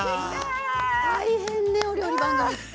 大変ねお料理番組って。